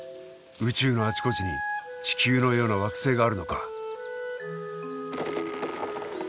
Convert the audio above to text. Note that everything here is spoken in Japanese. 宇宙のあちこちに地球のような惑星があるのか。